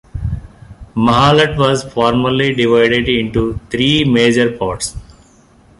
Mahallat was formerly divided into three major parts.